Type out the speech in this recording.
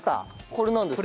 これなんですか？